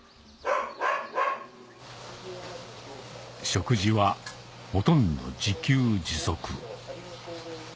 食事はほとんど自給自足